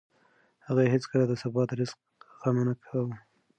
هغه هېڅکله د سبا د رزق غم نه کاوه.